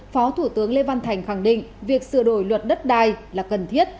phó thủ tướng lê văn thành khẳng định việc sửa đổi luật đất đai là cần thiết